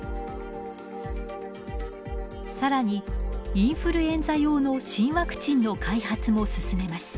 更にインフルエンザ用の新ワクチンの開発も進めます。